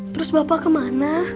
terus bapak kemana